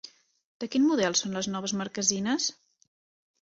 De quin model són les noves marquesines?